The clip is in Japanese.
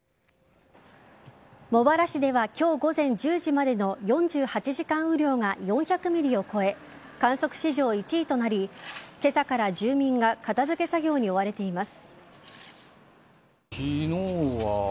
茂原市では今日午前１０時までの４８時間雨量が４００ｍｍを超え観測史上１位となり今朝から住民が片付け作業に追われています。